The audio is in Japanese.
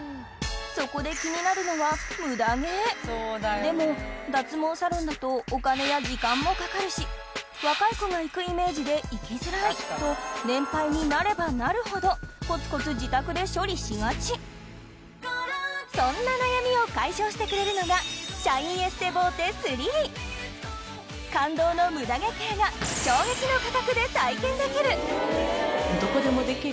そこで気になるのはでも脱毛サロンだとお金や時間もかかるし若い子が行くイメージで行きづらいと年配になればなるほどコツコツ自宅で処理しがちそんな悩みを解消してくれるのが感動のムダ毛ケアがで体験できる！